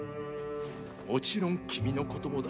もちろん君のこともだ